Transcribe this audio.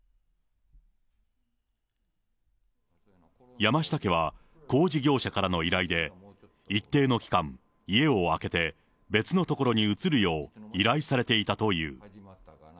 山下家は工事業者からの依頼で、一定の期間、家を空けて、別の所へ移るよう、依頼されていたという。